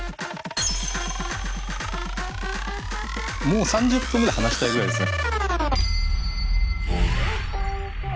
もう３０分ぐらい話したいぐらいですね。